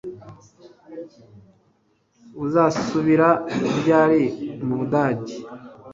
Uzasubira ryari mu Budage